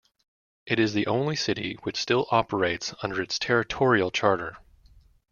It is the only city which still operates under its territorial charter.